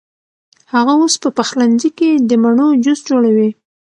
هغه اوس په پخلنځي کې د مڼو جوس جوړوي.